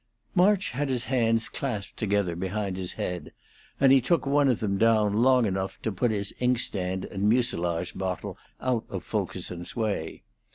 March had his hands clasped together behind his head, and he took one of them down long enough to put his inkstand and mucilage bottle out of Fulkerson's way.